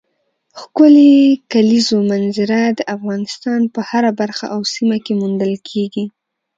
ښکلې کلیزو منظره د افغانستان په هره برخه او سیمه کې موندل کېږي.